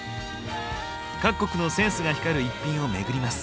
各国のセンスが光る逸品をめぐります。